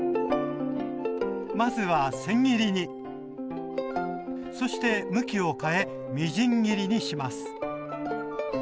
まずはせん切りにそして向きを変えみじん切りにします